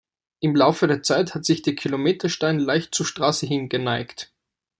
Im Laufe der Zeit hat sich der Kilometerstein leicht zur Straße hin geneigt.